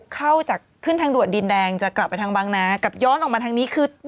เข้าจากขึ้นทางด่วนดินแดงจะกลับไปทางบางนากลับย้อนออกมาทางนี้คือ